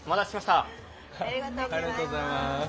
ありがとうございます。